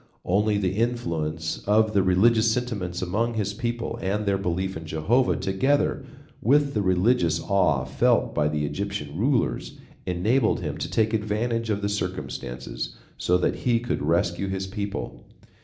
Only the influence of the religious sentiments among his people and their belief in Jehovah together with the religious awe felt by the Egyptian rulers, enabled him to take advantage of the circumstances so that he could rescue his people.